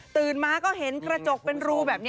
มาก็เห็นกระจกเป็นรูแบบนี้